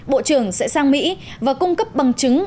bộ trưởng sẽ sang mỹ và cung cấp bằng chứng